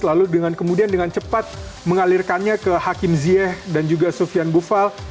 lalu kemudian dengan cepat mengalirkannya ke hakim ziyech dan juga sufian boufal